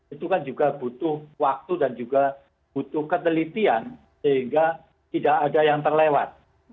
itu kan juga butuh waktu dan juga butuh ketelitian sehingga tidak ada yang terlewat